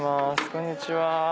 こんにちは。